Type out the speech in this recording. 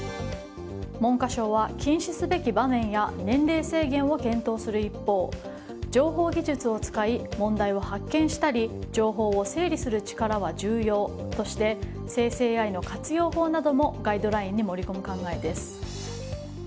文科省は禁止すべき場面や年齢制限を検討する一方情報技術を使い問題を発見したり情報を整理する力は重要として生成ＡＩの活用法などもガイドラインに盛り込む考えです。